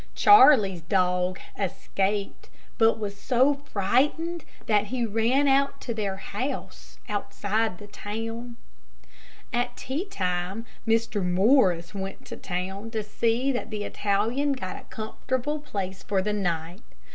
Charley's dog escaped, but was so frightened that he ran out to their house, outside the town. At tea time, Mr. Morris went down town to see that the Italian got a comfortable place for the night.